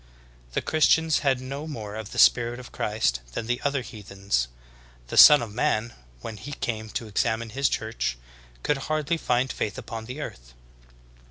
The Christians had no more of the spirit of Christ than the other heathens. The Son of Man, wdien He came to examine His Church, could hardly find faith upon earth.